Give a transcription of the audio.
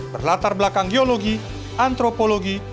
berlatar belakang geologi antropologi